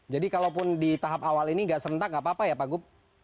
jadi kalaupun di tahap awal ini nggak sentak nggak apa apa ya pak gu